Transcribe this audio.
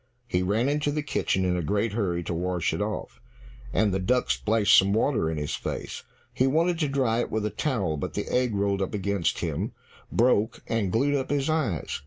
He ran into the kitchen in a great hurry to wash it off, and the duck splashed some water in his face. He wanted to dry it with the towel, but the egg rolled up against him, broke, and glued up his eyes.